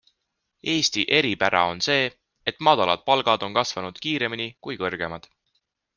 Eesti eripära on see, et madalad palgad on kasvanud kiiremini kui kõrgemad.